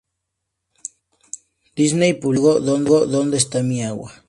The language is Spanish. Disney publicó el juego ¿Dónde esta mi agua?